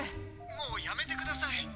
もうやめてください！